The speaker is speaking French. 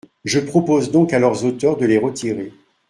Je propose donc à leurs auteurs de les retirer.